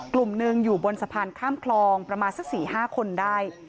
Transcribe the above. กลุ่มหนึ่งอยู่บนสะพานข้ามคลองประมาณสัก๔๕คนได้